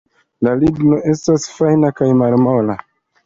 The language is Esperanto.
La ligno estas fajna kaj malmola.